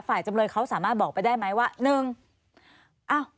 ฝ่ายจำเลยเขาสามารถบอกไปได้ไหมว่า